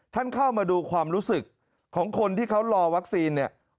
เข้ามาดูความรู้สึกของคนที่เขารอวัคซีนเนี่ย